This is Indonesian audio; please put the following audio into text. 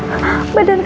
dita kenapa nak